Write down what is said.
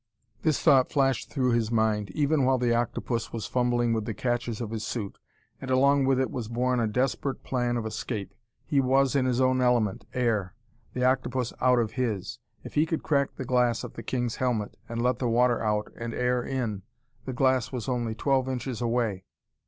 This thought flashed through his mind, even while the octopus was fumbling with the catches of his suit. And along with it was born a desperate plan of escape. He was in his own element, air; the octopus out of his. If he could crack the glass of the king's helmet, and let the water out and air in!... The glass was only twelve inches away.